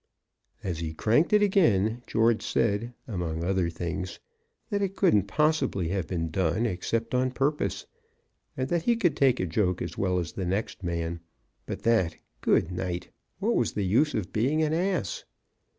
As he cranked it again, George said, among other things, that it couldn't possibly have been done except on purpose, and that he could take a joke as well as the next man, but that, good night, what was the use of being an ass?